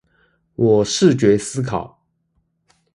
我視覺思考